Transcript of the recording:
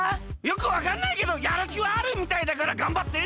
よくわかんないけどやるきはあるみたいだからがんばって！